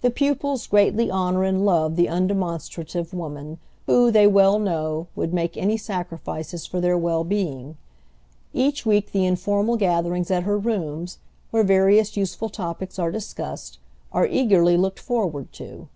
The pupils greatly honor and love the undemonstrative woman, who, they well know, would make any sacrifices for their well being. Each week the informal gatherings at her rooms, where various useful topics are discussed, are eagerly looked forward to.